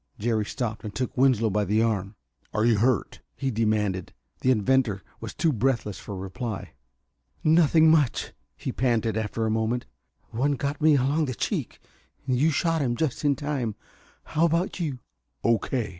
Jerry stopped and took Winslow by the arm. "Are you hurt?" he demanded. The inventor was too breathless for reply. "Nothing much," he panted, after a moment. "One got me along the cheek you shot him just in time. How about you?" "O.K.